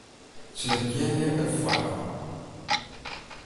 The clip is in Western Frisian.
Selektearje it foarige.